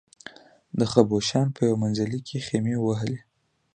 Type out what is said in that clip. د خبوشان په یو منزلي کې خېمې ووهلې.